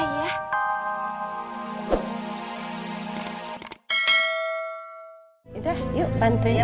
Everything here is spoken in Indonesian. yaudah yuk bantuin ya